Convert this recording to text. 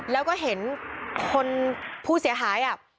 แล้วก็เห็นคนผู้เสียหาย